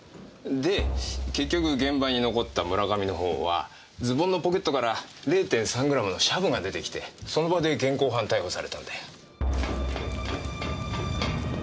で結局現場に残った村上のほうはズボンのポケットから０．３グラムのシャブが出てきてその場で現行犯逮捕されたんだよ。